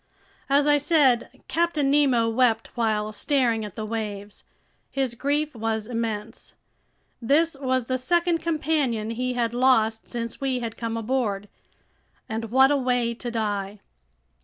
As I said, Captain Nemo wept while staring at the waves. His grief was immense. This was the second companion he had lost since we had come aboard. And what a way to die!